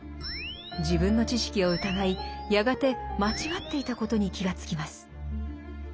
自分の知識を疑いやがて間違っていたことに気がつきます。